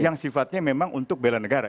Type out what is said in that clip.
yang sifatnya memang untuk bela negara